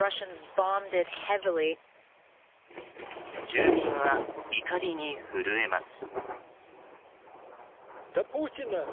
住民は怒りに震えます。